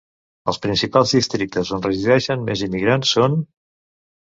Els principals districtes on resideixen més immigrants són: